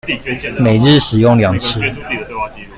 每日使用二次